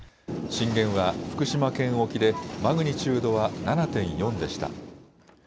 震源は福島県沖でマグニチュードは７．４でした。